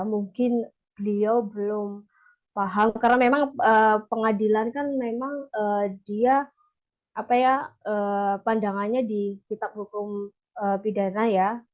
mungkin beliau belum paham karena memang pengadilan kan memang dia pandangannya di kitab hukum pidana ya